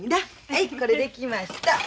はいこれ出来ました。